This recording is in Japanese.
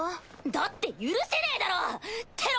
だって許せねぇだろテロなんて！